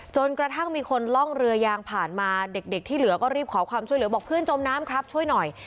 จนกระทั่งมีคนล่องเรือยางผ่านมาเด็กที่เหลือก็รีบขอความช่วยเหลือบอกเพื่อนจมน้ำครับช่วยหน่อย